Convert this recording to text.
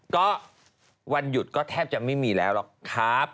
ก็วันหยุดก็แทบจะไม่มีแล้วหรอกครับ